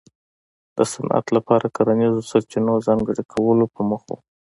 د صنعت لپاره کرنیزو سرچینو ځانګړي کولو په موخه و.